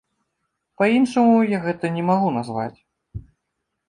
Па-іншаму я гэта не магу назваць.